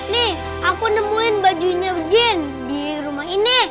nih aku nemuin bajunya jeans di rumah ini